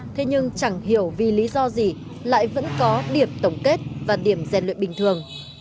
thế nhưng chẳng hiểu vì lý do gì lại vẫn có điểm tổng kết và điểm gian luyện bình thường